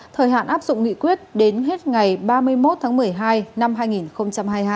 thời hạn áp dụng nghị quyết đến hết ngày ba mươi một tháng một mươi hai năm hai nghìn hai mươi hai